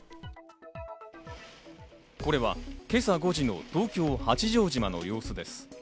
これは今朝５時の東京・八丈島の様子です。